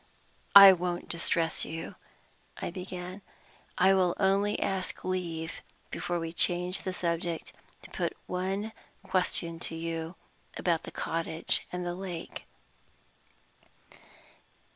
"I won't distress you," I began. "I will only ask leave, before we change the subject, to put one question to you about the cottage and the lake."